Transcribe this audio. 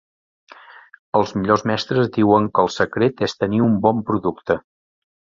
Els millors mestres diuen que el secret és tenir un bon producte.